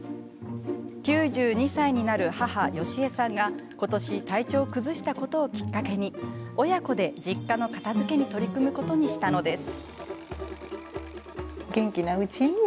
９２歳になる母・よしえさんが今年、体調を崩したことをきっかけに親子で実家の片づけに取り組むことにしたのです。